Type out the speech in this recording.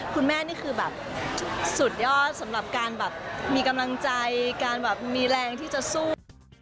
คุณแม่นี่คือแบบสุดยอดสำหรับการแบบมีกำลังใจการแบบมีแรงที่จะสู้